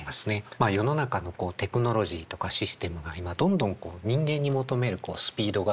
まあ世の中のテクノロジーとかシステムが今どんどん人間に求めるスピードが上がってきている。